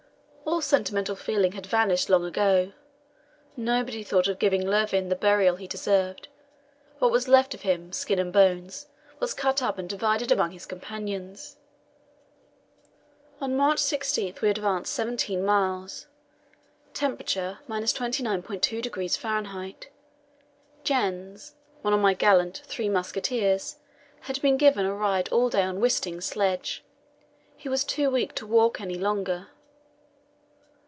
All sentimental feeling had vanished long ago; nobody thought of giving Lurven the burial he deserved. What was left of him, skin and bones, was cut up and divided among his companions. On March 16 we advanced seventeen miles; temperature, 29.2° F. Jens, one of my gallant "Three Musketeers," had been given a ride all day on Wisting's sledge; he was too weak to walk any longer.